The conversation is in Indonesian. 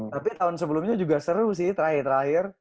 tapi tahun sebelumnya juga seru sih terakhir terakhir